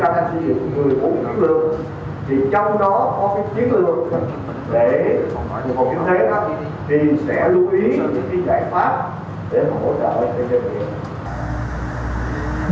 cái chiến lược để mở cửa cho các doanh nghiệp thì sẽ lưu ý những cái giải pháp để hỗ trợ các doanh nghiệp